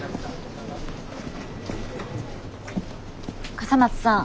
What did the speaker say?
笠松さん